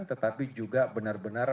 tetapi juga benar benar